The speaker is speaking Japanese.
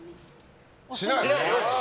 しない！